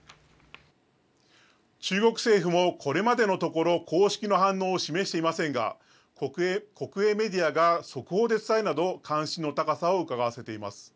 中国政府もこれまでのところ、公式の反応を示していませんが、国営メディアが速報で伝えるなど、関心の高さをうかがわせています。